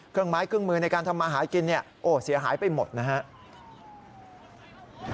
กลางไม้กึ่งมือในการทำมาหากินโอ้เสียหายไปหมดนะครับ